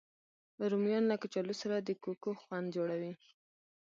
رومیان له کچالو سره د کوکو خوند جوړوي